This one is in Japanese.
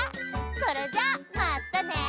それじゃまたね。